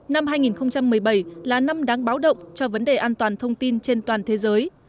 năm hai nghìn một mươi bảy là năm đáng báo động cho vấn đề an toàn thông tin trên toàn thế giới